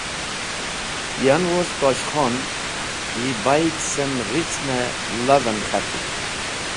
Yan woz Tosh Khon yi bayd cem ricen-e lav en k̃hati.